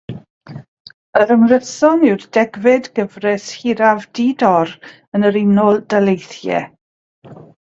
Yr ymryson yw'r degfed gyfres hiraf di-dor yn yr Unol Daleithiau.